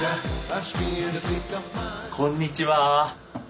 こんにちは。